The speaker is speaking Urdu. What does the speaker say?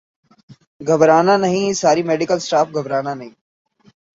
گھبرا نہ نہیں ساری میڈیکل سٹاف گھبرانہ نہیں